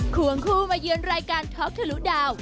ควงคู่มาเยือนรายการท็อกทะลุดาว